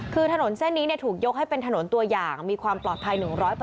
คือถนนเส้นนี้ถูกยกให้เป็นถนนตัวอย่างมีความปลอดภัย๑๐๐